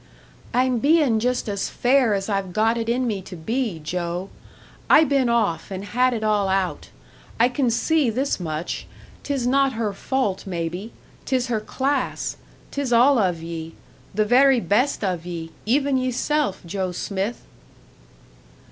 "I'm bein' just as fair as I've got it in me to be, Joe. I been off and had it all out. I can see this much 'tis not her fault, maybe 'tis her class; 'tis all of ye the very best of ye, even yeself, Joe Smith!"